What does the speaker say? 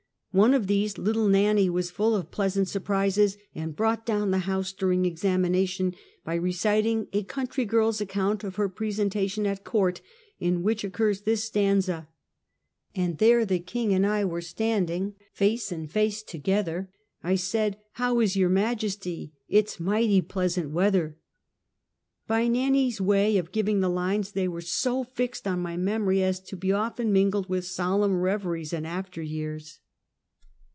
One of these, little l!^annie, was full of pleasant surprises, and "brought down the house" during examination, byre citing a country girl's account of her ^Dresentation at court, in which occurs this stanza: "And there the Kiny^ and I were standing Face and face together; I said, 'How is your Majesty? It's mighty pleasant weather! '" By Nannie's way of giving the lines, they were so fixed on my memory as to be often mingled with solemn reveries in after years.